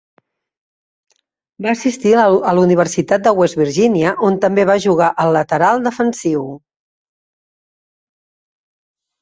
Va assistir a la Universitat de West Virginia, on també va jugar al lateral defensiu.